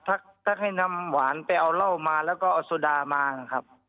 ทักให้น้ำหวานไปเอาเหล้ามาแล้วก็เอาสุดามานะครับ